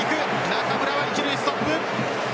中村は一塁ストップ。